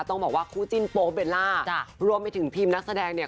ต้องบอกว่าคู่จิ้นโป๊เบลล่ารวมไปถึงพิมพ์นักแสดงเนี่ย